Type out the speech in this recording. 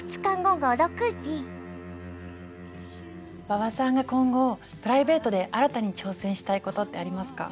馬場さんが今後プライベートで新たに挑戦したいことってありますか？